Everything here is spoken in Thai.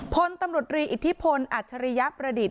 พลตำรวจรีอิทธิพลอัจฉริยประดิษฐ